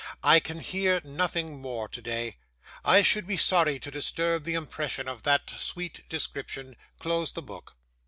'I can hear nothing more today; I should be sorry to disturb the impression of that sweet description. Close the book.